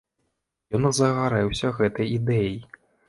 Ён загарэўся гэтай ідэяй.